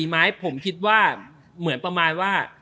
ไหมผมคิดว่าเหมือนประมาณว่า